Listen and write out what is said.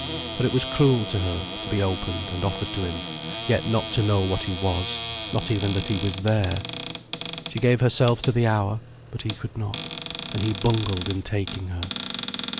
For it was cruel to her, to be opened and offered to him, yet not to know what he was, not even that he was there. She gave herself to the hour, but he could not, and he bungled in taking her.